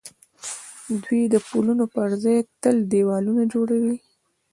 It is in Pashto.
دوی د پلونو پر ځای تل دېوالونه جوړوي.